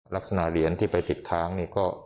ลักษณะเหรียญที่ไปติดค้างนี่ก็